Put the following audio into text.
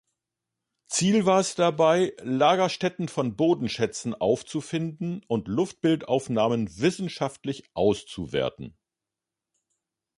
Ziel war es dabei, Lagerstätten von Bodenschätzen aufzufinden und Luftbildaufnahmen wissenschaftlich auszuwerten.